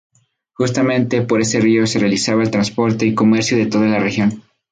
Justamente por ese río se realizaba el transporte y comercio de toda la región.